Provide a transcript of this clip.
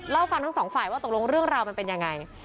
เล่าให้ฟังทั้งสองฝ่ายว่าตกลงเรื่องราวมันเป็นยังไง